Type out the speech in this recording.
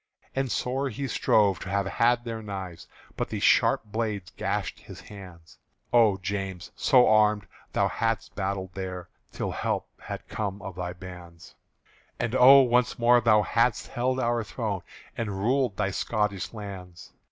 And sore he strove to have had their knives, But the sharp blades gashed his hands. Oh James! so armed, thou hadst battled there Till help had come of thy bands; And oh! once more thou hadst held our throne And ruled thy Scotish lands!